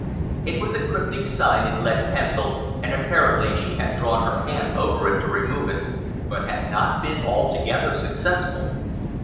It was a cryptic sign in lead pencil, and apparently she had drawn her hand over it to remove it, but had not been altogether successful.